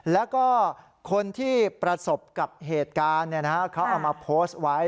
แล้วก็คนที่ประสบกับเหตุการณ์เขาเอามาโพสต์ไว้